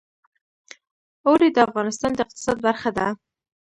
اوړي د افغانستان د اقتصاد برخه ده.